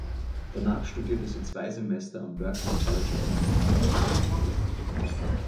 Danach studierte sie zwei Semester am Berklee College of Music in Boston.